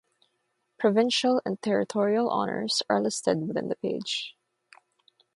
Provincial and territorial honours are listed within the page.